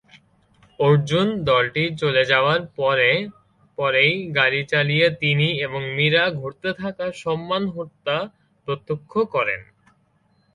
অর্জুন দলটির চলে যাওয়ার পরে পরেই গাড়ি চালিয়ে তিনি এবং মীরা ঘটতে থাকা সম্মান হত্যা প্রত্যক্ষ করেন।